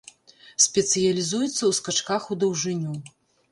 Спецыялізуецца ў скачках ў даўжыню.